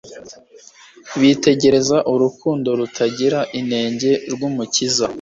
Bitegereza urukundo rutagira inenge rw'Umukiza